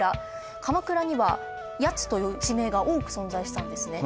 鎌倉には「やつ」という地名が多く存在したんですね。